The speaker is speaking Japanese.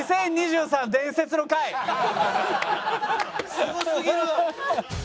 すごすぎる。